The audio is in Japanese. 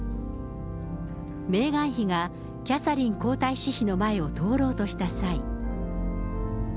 メーガン妃がキャサリン皇太子妃の前を通ろうとした際。